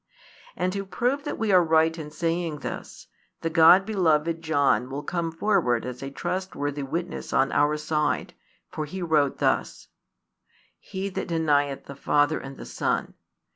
And to prove that we are right in saying this, the God beloved John will come forward as a trustworthy witness on our side, for he wrote thus: He that denieth the Father and the Son.